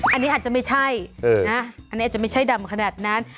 อันนี้อาจจะไม่ใช่นะอันนี้อาจจะไม่ใช่ดำขนาดนั้น